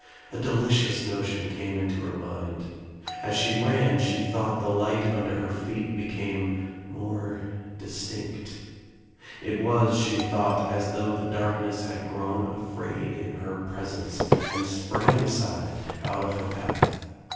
A de licious notion came into her mind. As she ran she thought the light under her feet became more distinct. It was, she thought, as though the darkness had grown afraid in her presence and sprang aside, out of her path.